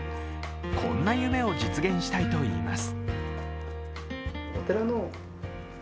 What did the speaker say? こんな夢を実現したいといいます。